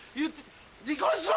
離婚しろ！